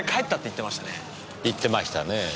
言ってましたねぇ。